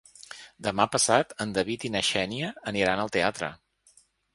Demà passat en David i na Xènia aniran al teatre.